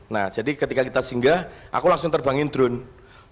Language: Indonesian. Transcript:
nah jadi ketika kita singgah aku langsung terbangin drone